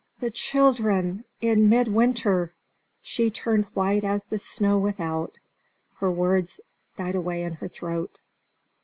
the children in midwinter!" She turned white as the snow without; her words died away in her throat.